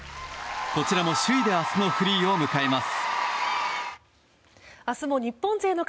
こちらも首位で明日のフリーを迎えます。